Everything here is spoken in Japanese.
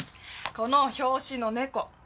この表紙の猫。